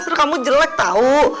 terus kamu jelek tau